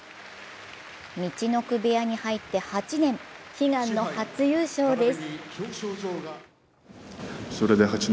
陸奥部屋に入って８年悲願の初優勝です。